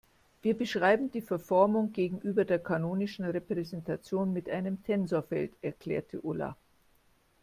Wir beschreiben die Verformung gegenüber der kanonischen Repräsentation mit einem Tensorfeld, erklärte Ulla.